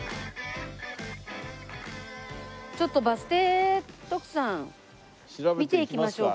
ちょっとバス停徳さん見ていきましょうか。